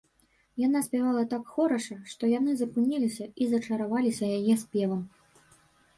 Яна спявала так хораша, што яны запыніліся і зачараваліся яе спевам